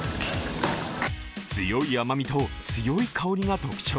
強い甘みと強い香りが特徴。